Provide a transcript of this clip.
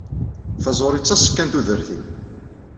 Taẓuri d taṣekka n tudert-iw.